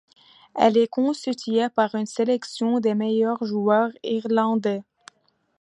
Elle est constituée par une sélection des meilleurs joueurs irlandais.